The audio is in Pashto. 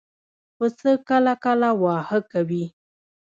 پسه کله کله واهه کوي.